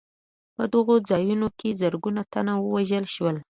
په دغو ځایونو کې زرګونه تنه ووژل شول.